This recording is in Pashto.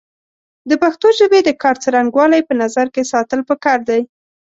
د پښتو ژبې د کار څرنګوالی په نظر کې ساتل پکار دی